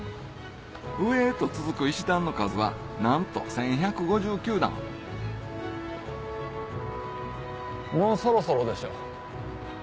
上へと続く石段の数はなんともうそろそろでしょ。